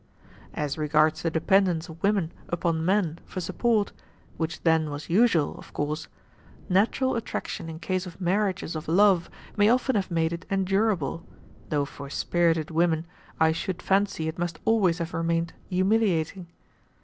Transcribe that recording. "As regards the dependence of women upon men for support, which then was usual, of course, natural attraction in case of marriages of love may often have made it endurable, though for spirited women I should fancy it must always have remained humiliating.